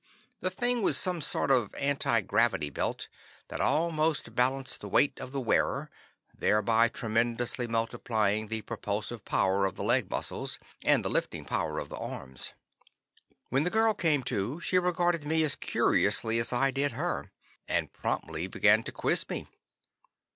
The thing was some sort of anti gravity belt that almost balanced the weight of the wearer, thereby tremendously multiplying the propulsive power of the leg muscles, and the lifting power of the arms. When the girl came to, she regarded me as curiously as I did her, and promptly began to quiz me.